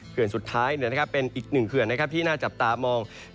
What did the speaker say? สุดท้ายเป็นอีกหนึ่งเขื่อนที่น่าจับตามอง